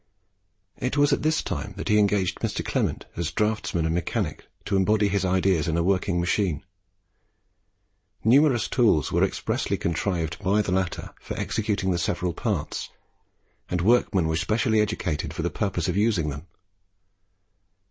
It was at this time that he engaged Mr. Clement as draughtsman and mechanic to embody his ideas in a working machine. Numerous tools were expressly contrived by the latter for executing the several parts, and workmen were specially educated for the purpose of using them.